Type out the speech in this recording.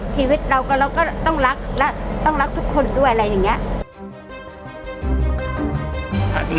ชีวิตเราเราก็ต้องรักและต้องรักทุกคนด้วยอะไรอย่างนี้